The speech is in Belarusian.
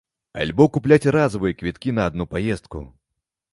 Альбо купляць разавыя квіткі на адну паездку.